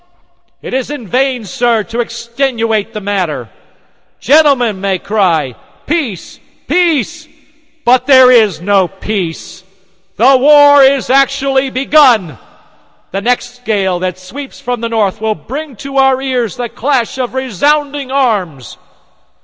It is in vain, sir, to extenuate the matter. Gentlemen may cry, Peace, Peace but there is no peace. The war is actually begun! The next gale that sweeps from the north will bring to our ears the clash of resounding arms!